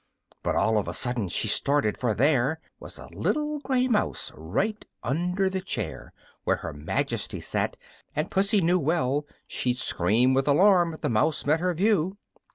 But all of a sudden she started, for there Was a little gray mouse, right under the chair Where her Majesty sat, and Pussy well knew She'd scream with alarm if the mouse met her view.